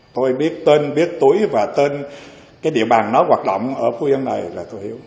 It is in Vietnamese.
tôi biết tên biết túi và tên cái địa bàn nó hoạt động ở phố dân này là tôi hiểu